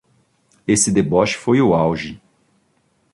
Esse deboche foi o auge